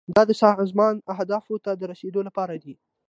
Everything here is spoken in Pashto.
دا د سازمان اهدافو ته د رسیدو لپاره دی.